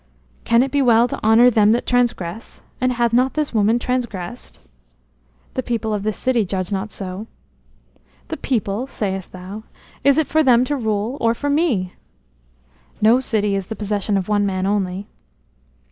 "Can it be well to honor them that transgress? And hath not this woman transgressed?" "The people of this city judge not so." "The people, sayest thou? Is it for them to rule, or for me?" "No city is the possession of one man only."